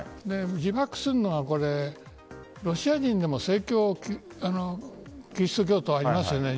自爆するのはロシア人でもキリスト教徒はいますよね。